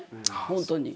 本当に。